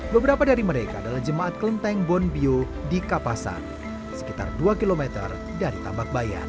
beberapa dari mereka adalah jemaat kelenteng bonbio di kapasan sekitar dua km dari tambak bayan